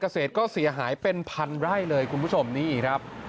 เกษตรก็เสียหายเป็นพันไร่เลยคุณผู้ชมนี่ครับ